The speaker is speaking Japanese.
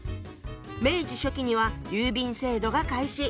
明治初期には郵便制度が開始。